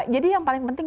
jadi yang paling penting